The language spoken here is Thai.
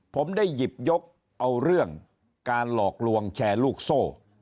ผมได้หยิบยกเอาเรื่องการหลอกลวงแชร์ลูกโซ่